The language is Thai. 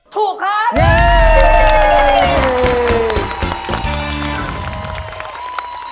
ถูกครับ